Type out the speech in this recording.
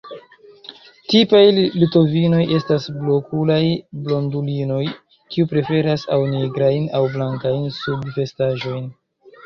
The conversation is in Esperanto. Tipaj litovinoj estas bluokulaj blondulinoj, kiuj preferas aŭ nigrajn aŭ blankajn subvestaĵojn.